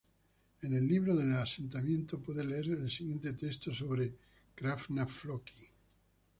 En el libro de asentamiento puede leer el siguiente texto sobre Hrafna-Flóki.